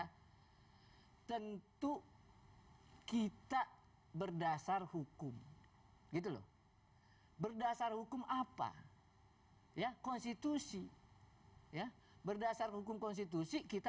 hai tentu kita berdasar hukum itu loh berdasar hukum apa ya konstitusi ya berdasar hukum konstitusi kita